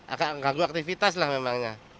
agak mengganggu aktivitas lah memangnya